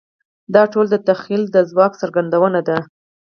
دا ټول د تخیل د ځواک څرګندونه ده.